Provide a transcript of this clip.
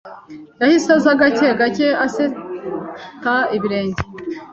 Yahise aza gake gake aseta ibirenge